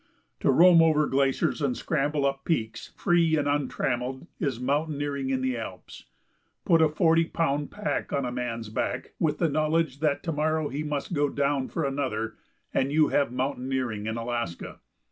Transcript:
To roam over glaciers and scramble up peaks free and untrammelled is mountaineering in the Alps. Put a forty pound pack on a man's back, with the knowledge that to morrow he must go down for another, and you have mountaineering in Alaska.